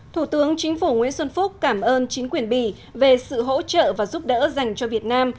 thủ tướng chính phủ nguyễn xuân phúc cảm ơn chính quyền bỉ về sự hỗ trợ và giúp đỡ dành cho việt nam